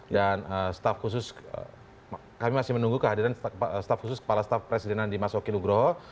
dan kami masih menunggu kehadiran staf khusus kepala staf presidenan di mas wakilugroho